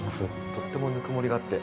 とってもぬくもりがあって。